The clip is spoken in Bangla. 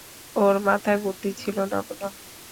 ওর মাথায় বুদ্ধি ছিল না মনে হয়।